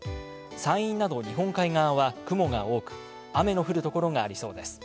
山陰など日本海側は雲が多く、雨の降る所がありそうです。